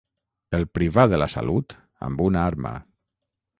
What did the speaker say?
El privà de la salut amb una arma.